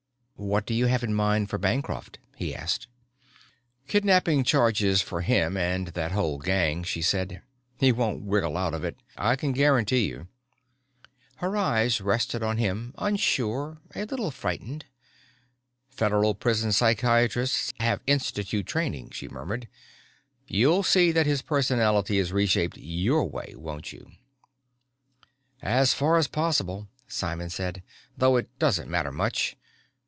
"What do you have in mind for Bancroft?" he asked. "Kidnapping charges for him and that whole gang," she said. "He won't wriggle out of it, I can guarantee you." Her eyes rested on him, unsure, a little frightened. "Federal prison psychiatrists have Institute training," she murmured. "You'll see that his personality is reshaped your way, won't you?" "As far as possible," Simon said. "Though it doesn't matter much.